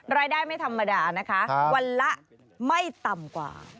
ไม่ธรรมดานะคะวันละไม่ต่ำกว่า